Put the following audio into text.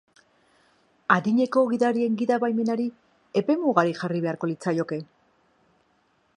Adineko gidarien gida baimenari epe mugarik jarri beharko litzaioke?